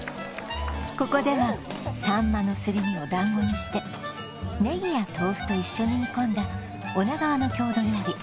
ここでは秋刀魚のすり身をだんごにしてネギや豆腐と一緒に煮込んだ女川の郷土料理